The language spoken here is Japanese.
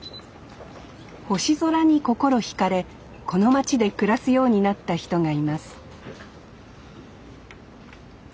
星空に心ひかれこの町で暮らすようになった人がいます